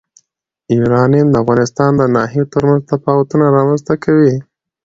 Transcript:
یورانیم د افغانستان د ناحیو ترمنځ تفاوتونه رامنځ ته کوي.